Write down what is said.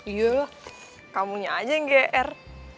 iya lah kamunya aja yang gr